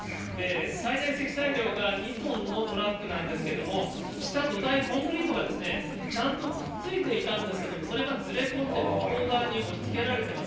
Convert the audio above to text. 最大積載量が２トンのトラックなんですけれども、下、土台、コンクリートがちゃんとくっついていたんですけども、それがずれ込んで向こう側に押しつけられています。